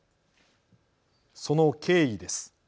その経緯です。